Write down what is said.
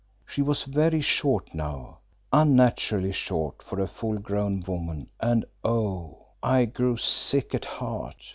She was very short now, unnaturally short for a full grown woman, and oh! I grew sick at heart.